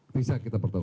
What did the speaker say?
bisa kita pertanyaan